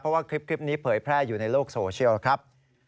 เพราะว่าคลิปนี้เผยแพร่อยู่ในโลกโซเชียลครับ